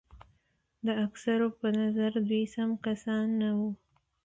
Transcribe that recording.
د اکثرو په نظر دوی سم کسان نه وو.